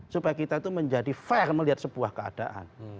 supaya kita itu menjadi fair melihat sebuah keadaan